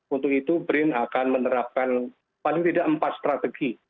untuk itu brin akan menerapkan paling tidak empat strategi